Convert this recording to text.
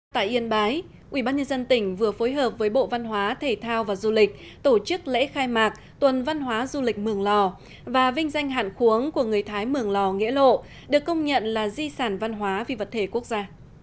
tại yên bái ubnd tỉnh vừa phối hợp với bộ văn hóa thể thao và du lịch tổ chức lễ khai mạc tuần văn hóa du lịch mường lò và vinh danh hạn khuống của người thái mường lò nghĩa lộ được công nhận là di sản văn hóa vì vật thể quốc gia